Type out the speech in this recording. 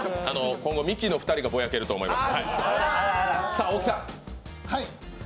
今後、ミキの２人がぼやけると思います。